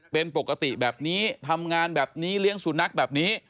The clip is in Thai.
เป็นปกติแบบนี้ทำงานแบบนี้เลี้ยงสุนัขแบบนี้